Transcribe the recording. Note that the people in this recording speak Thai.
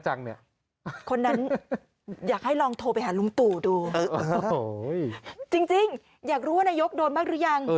จริงอยากรู้ว่านายกโดนมั่งหรือยังเออจะรับมือยังไง